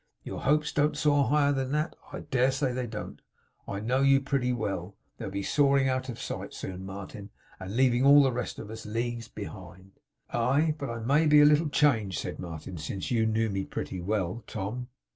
Your hopes don't soar higher than that? I dare say they don't. I know you, pretty well. They'll be soaring out of sight soon, Martin, and leaving all the rest of us leagues behind.' 'Aye! But I may be a little changed,' said Martin, 'since you knew me pretty well, Tom.